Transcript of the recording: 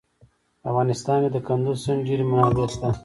په افغانستان کې د کندز سیند ډېرې منابع شته.